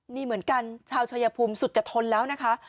นี่เหมือนกันชาวชายภูมิสุดจะทนแล้วนะคะ